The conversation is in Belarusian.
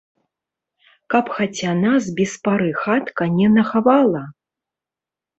Каб хаця нас без пары хатка не нахавала?